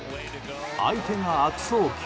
相手が悪送球。